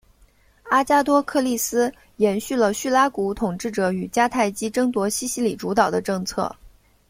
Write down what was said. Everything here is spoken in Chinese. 阿加托克利斯延续了叙拉古统治者与迦太基争夺西西里主导的政策。